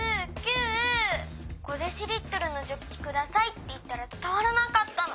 『５ｄＬのジョッキください』っていったらつたわらなかったの。